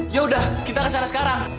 yaudah kita kesana sekarang